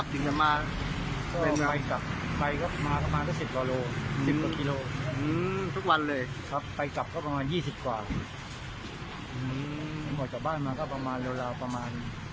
พามานั่งเร็วเที่ยวครับครับครับของตอนนี้เรามีงานทำตอนนี้เรามีงานทำ